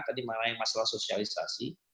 tadi mengenai masalah sosialisasi